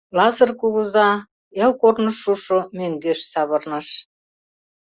Лазыр кугыза, пел корныш шушо, мӧҥгеш савырныш.